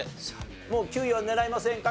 もう９位は狙いませんか？